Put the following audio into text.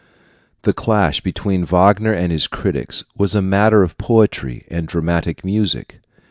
The clash between Wagner and his critics was a matter of poetry and dramatic music.